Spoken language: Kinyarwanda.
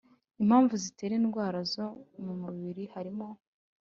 impamvu zitera indwara zo mumubiri harimo